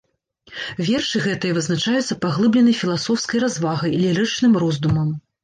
Вершы гэтыя вызначаюцца паглыбленай філасофскай развагай, лірычным роздумам.